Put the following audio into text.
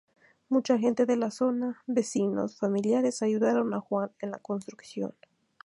Mucha gente de la zona, vecinos, familiares ayudaron a Juan en la construcción.